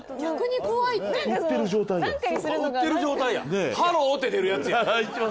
売ってる状態や。